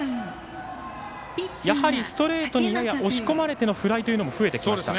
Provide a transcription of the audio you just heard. やはりストレートに押し込まれてのフライというのも増えてきました。